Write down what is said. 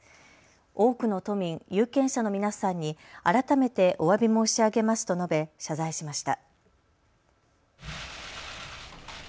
多くの都民、有権者の皆さんに改めておわび申し上げますと述べ謝罪しました。